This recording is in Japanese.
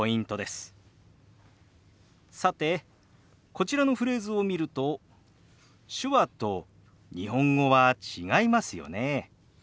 さてこちらのフレーズを見ると手話と日本語は違いますよね。